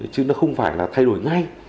chứ nó không phải là thay đổi ngay